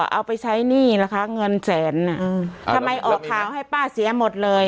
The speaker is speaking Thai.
เอาไปใช้หนี้ล่ะคะเงินแสนทำไมออกข่าวให้ป้าเสียหมดเลย